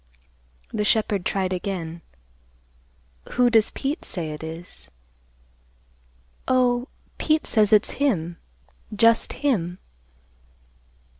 The shepherd tried again, "Who does Pete say it is?" "Oh, Pete says it's him, just him."